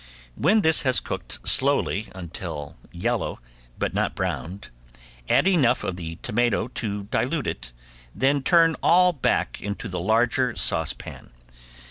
When this has cooked slowly until yellow, but not browned, add enough of the tomato to dilute it, then turn all back into the larger saucepan.